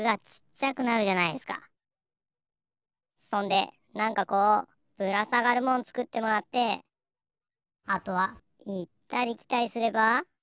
そんでなんかこうぶらさがるもんつくってもらってあとはいったりきたりすれば。